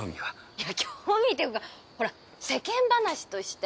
いや興味というかほら世間話として。